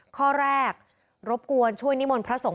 ข้อแรกรบกวนช่วยนิมนต์พระสงฆ